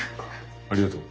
ありがとう。